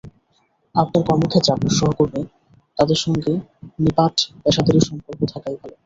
আপনার কর্মক্ষেত্রে আপনার সহকর্মী, তাদের সঙ্গে নিপাট পেশাদারি সম্পর্ক থাকাই ভালো।